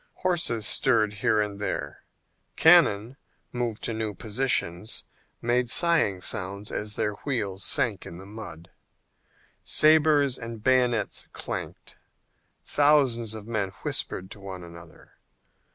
Horses stirred here and there, cannon, moved to new positions, made sighing sounds as their wheels sank in the mud; sabres and bayonets clanked, thousands of men whispered to one another.